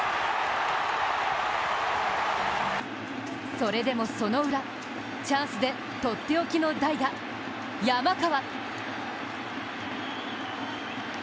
それでもそのウラ、チャンスでとっておきの代打・山川。